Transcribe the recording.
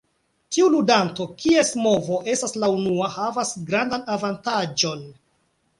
Tiu ludanto, kies movo estas la unua, havas grandan avantaĝon.